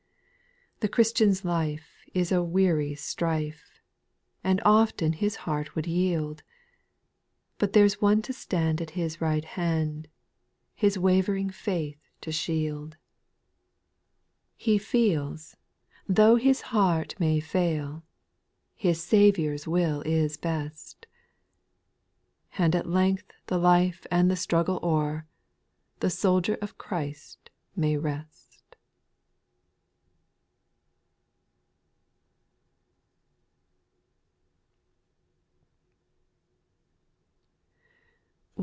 7. / The Christian's life is a weary strife ; And often his heart would yield. But there 's One to stand at his right hand^ His wavering faith to shield. 15 lYO SPIRITUAL SONGS, 8. . He feels, though his heart may fail, His Saviour's will is best ; And at length the life and the straggle o'er, The soldier of Christ may rest.